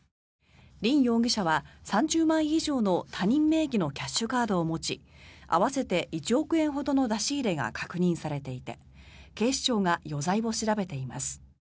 リン容疑者は３０枚以上の他人名義のキャッシュカードを持ち合わせて１億円ほどの出し入れが確認されていて警視庁が余罪を調べています。